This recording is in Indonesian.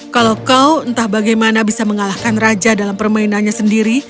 kalau kau entah bagaimana bisa mengalahkan raja dalam permainannya sendiri